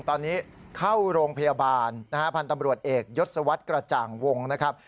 ตอนนี้เข้าโรงพยาบาลนะฮะพันธ์ตำรวจเอกยศวรรษกระจ่างวงนะครับ